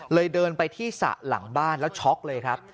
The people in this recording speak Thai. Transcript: เดินไปที่สระหลังบ้านแล้วช็อกเลยครับ